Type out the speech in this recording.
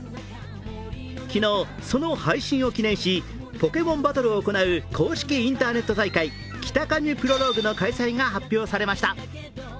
昨日、その配信を記念しポケモンバトルを行う公式インターネット大会、キタカミプロローグの開催が発表されました。